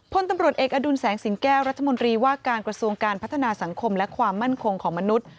พลตำรวจเอกอดุลแสงสิงแก้วรัฐมนตรีว่าการกระทรวงการพัฒนาสังคมและความมั่นคงของมนุษย์